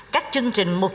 các chương trình mở rộng